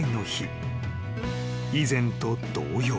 ［以前と同様］